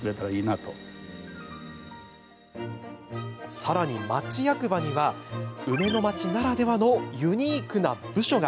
さらに、町役場には梅の町ならではのユニークな部署が。